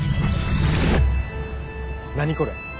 何これ？